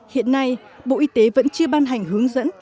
hiện nay bộ y tế vẫn chưa ban hành hướng dẫn